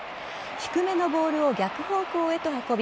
低めのボールを逆方向へと運び